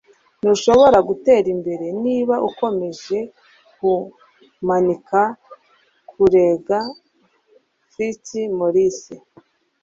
ntushobora gutera imbere niba ukomeje kumanika - kurega fitzmaurice